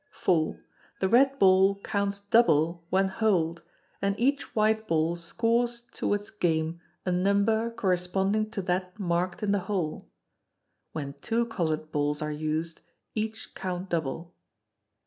iv. The red ball counts double when holed, and each white ball scores towards game a number corresponding to that marked in the hole (when two coloured balls are used, each counts double).